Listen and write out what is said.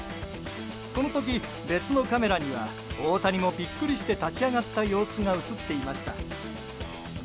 この時、別のカメラには大谷もビックリして立ち上がった様子が映っていました。